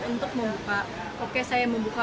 untuk membuka oke saya membuka